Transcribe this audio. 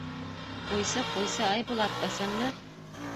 — Ҡуйсы, ҡуйсы, Айбулат, ысынмы?